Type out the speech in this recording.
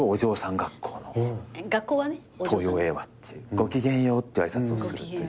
「ごきげんよう」っていう挨拶をするという。